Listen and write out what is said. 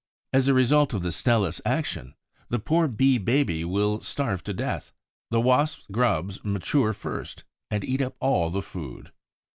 As a result of the Stelis' action, the poor Bee baby will starve to death. The Wasp's grubs mature first and eat up all the food.